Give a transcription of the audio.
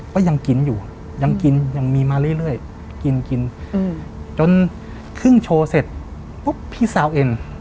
ก็ยังกินอยู่ยังกินยังมีมาเรื่อยกินกินจนครึ่งโชว์เสร็จปุ๊บพี่สาวเอ็น